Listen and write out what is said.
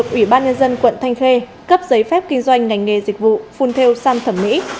cơ sở thẩm mỹ id courier đồng bộ công an quận thanh khê cấp giấy phép kinh doanh ngành nghề dịch vụ fulltail sam thẩm mỹ